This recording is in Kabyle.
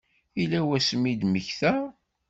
Yella wasmi i d-temmekta?